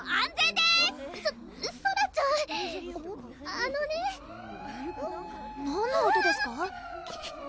あのね・・何の音ですか？